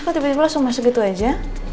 kok tiba tiba langsung masuk itu aja